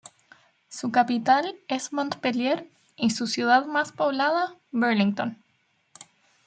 Su capital es Montpelier y su ciudad más poblada, Burlington.